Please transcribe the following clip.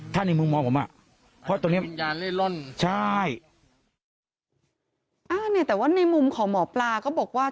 ถ้าในมุมมองผมอ่ะเพราะตรงเนี้ยร่อนใช่อ่าเนี่ยแต่ว่าในมุมของหมอปลาก็บอกว่า